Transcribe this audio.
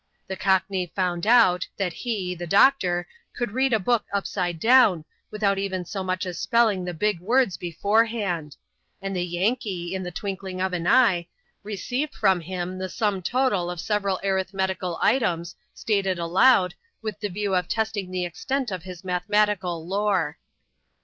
The Cockney found out, that he (the doctor) could read a book upside down, without even so much as spelling the big words beforehand ; and the Yankee, in the twinkling of an eye, received from him the sum total of several arithmetical items, stated aloud, with the view of testing the extent of his mathematical lore.